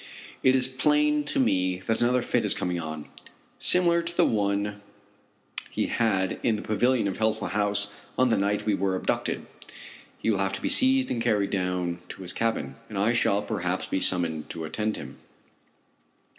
It is plain to me that another fit is coming on, similar to the one he had in the pavilion of Healthful House on the night we were abducted. He will have to be seized and carried down to his cabin, and I shall perhaps be summoned to attend to him.